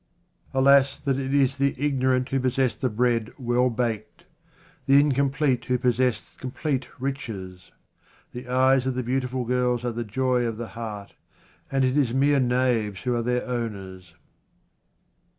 Alas that it is the ignorant who possess the bread well baked — the incomplete who possess complete riches ! The eyes of the beautiful girls are the joy of the heart, and it is mere knaves who are their owners.